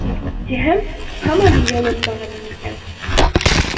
Тиһәм, һаман йылынмағанмын икән.